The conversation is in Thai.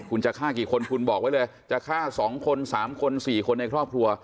คุณจะฆ่ากี่คนคุณบอกไว้เลยจะฆ่า๒คน๓คน๔คนในครอบครัว